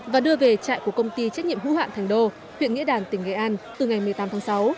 và đưa về trại của công ty trách nhiệm hữu hạn thành đô huyện nghĩa đàn tỉnh nghệ an từ ngày một mươi tám tháng sáu